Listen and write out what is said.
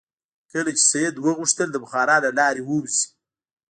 کله چې سید وغوښتل د بخارا له لارې ووځي.